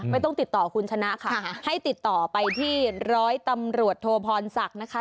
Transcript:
ไม่ต้องติดต่อคุณชนะค่ะให้ติดต่อไปที่ร้อยตำรวจโทพรศักดิ์นะคะ